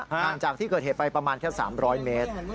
ห่างจากที่เกิดเหตุไปประมาณแค่๓๐๐เมตร